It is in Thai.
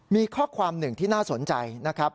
มีข้อความหนึ่งที่น่าสนใจนะครับ